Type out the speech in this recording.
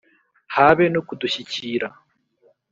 habe no kudushyikira.